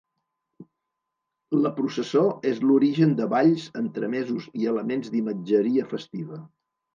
La processó és l'origen de balls, entremesos i elements d'imatgeria festiva.